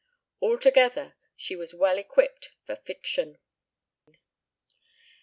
Altogether she was well equipped for fiction.